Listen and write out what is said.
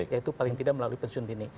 yaitu paling tidak melalui pensiun dini